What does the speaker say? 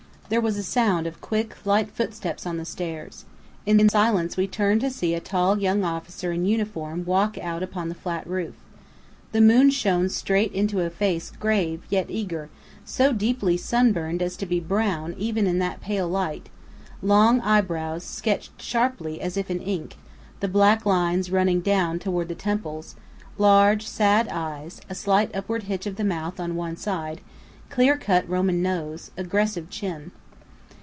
There was a sound of quick, light footsteps on the stairs. In silence we turned to see a tall young officer in uniform walk out upon the flat roof. The moon shone straight into a face grave, yet eager, so deeply sunburned as to be brown even in that pale light: long eyebrows sketched sharply as if in ink the black lines running down toward the temples; large, sad eyes; a slight upward hitch of the mouth on one side; clear cut Roman nose; aggressive chin.